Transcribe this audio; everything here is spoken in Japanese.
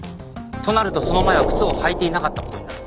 となるとその前は靴を履いていなかった事になる。